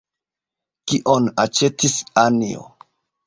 Kion aĉetis Anjo?